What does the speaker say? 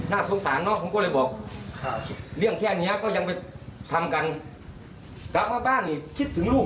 น่าสงสารเนาะผมก็เลยบอก